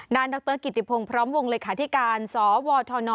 ด้านดรกิติพงศ์พร้อมวงลัยคาธิการสวธน